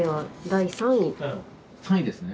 ３位ですね？